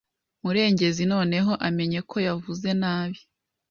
Murengezi noneho amenye ko yavuze nabi.